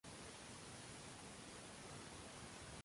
Murodning qizi!..